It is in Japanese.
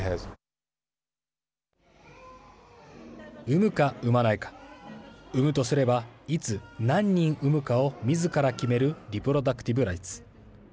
産むか、産まないか産むとすれば、いつ何人産むかをみずから決めるリプロダクティブ・ライツ。